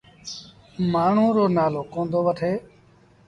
مآڻهوٚݩ رو نآلو ڪوندو وٺي۔